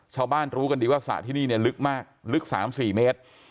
ชาวบ้านรู้กันดีว่าศะที่นี่ลึกมากลึก๓๔เมตร